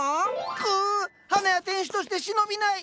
くぅ花屋店主として忍びない！